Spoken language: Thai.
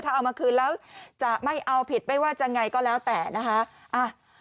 ถ้าเอามาคืนแล้วจะไม่เอาผิดไม่ว่าจะไงก็แล้วแต่นะคะ